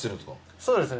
そうですよね。